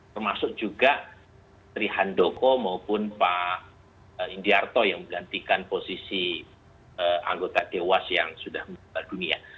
termasuk juga trihan doko maupun pak indiarto yang menggantikan posisi anggota dewas yang sudah meninggal dunia